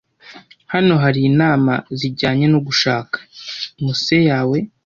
Hano hari inama zijyanye no gushaka muse yawe